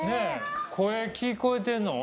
声聞こえてんの？